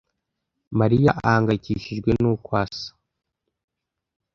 Mariya ahangayikishijwe nuko asa.